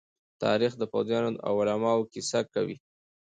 تاریخ د پوځيانو او علماءو کيسه کوي.